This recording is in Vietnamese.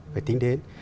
phải tính đến